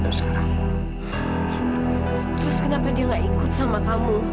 terus kenapa dia gak ikut sama kamu